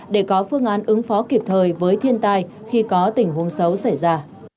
để có phương án ứng phó kịp thời với thiên tai khi có tình huống xấu xảy ra